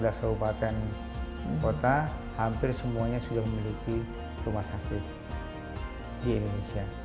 dari lima ratus empat belas kabupaten kota hampir semuanya sudah memiliki rumah sakit di indonesia